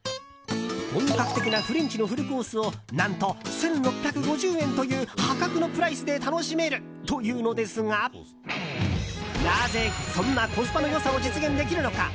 本格的なフレンチのフルコースを何と１６５０円という破格のプライスで楽しめるというのですがなぜそんなコスパの良さを実現できるのか？